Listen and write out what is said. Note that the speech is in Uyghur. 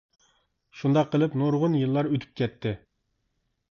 شۇنداق قىلىپ نۇرغۇن يىللار ئۆتۈپ كەتتى.